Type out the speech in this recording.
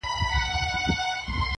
د قاتل تر شا د غره په څېر ولاړ وي -